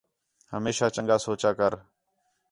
ہمیشاں چنڳا سوچا کر